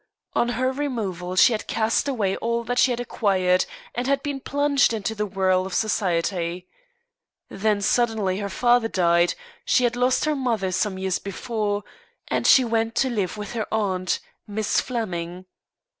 On her removal she had cast away all that she had acquired, and had been plunged into the whirl of Society. Then suddenly her father died she had lost her mother some years before and she went to live with her aunt, Miss Flemming.